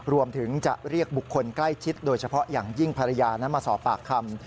รวมถึงจะเรียกบุคคลใกล้ชิดโดยเฉพาะอย่างยิ่งภรรยานั้นมาสอบปากคำ